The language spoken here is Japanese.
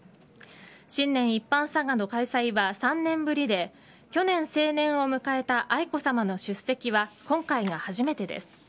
新年一般参賀の開催は３年ぶりで去年、成年を迎えた愛子さまの出席は今回が初めてです。